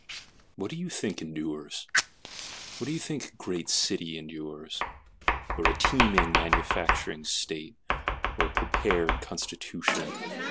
What do you think endures? Do you think a great city endures? Or a teeming manufacturing state? or a prepared constitution?